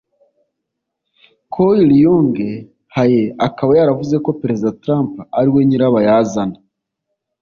Choe Ryong Hae akaba yaravuze ko Perezida Trump ariwe nyirabayazana